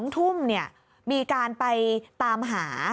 ๒ทุ่มเนี่ยมีการไปตามหา